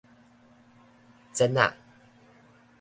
蟫仔